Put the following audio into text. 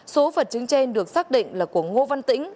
số vật chứng trên được xác định là của ngô văn tĩnh